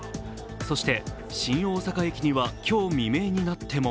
そして新大阪駅には今日未明になっても